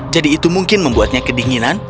jadi itu mungkin membuatnya kedinginan